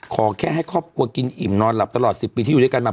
ขอแค่ให้ครอบครัวกินอิ่มนอนหลับตลอด๑๐ปีที่อยู่ด้วยกันมา